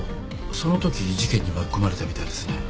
そのとき事件に巻き込まれたみたいですね。